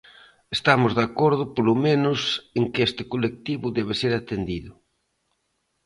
Estamos de acordo, polo menos, en que este colectivo debe ser atendido.